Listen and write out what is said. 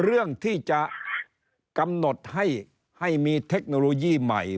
เรื่องที่จะกำหนดให้มีเทคโนโลยีใหม่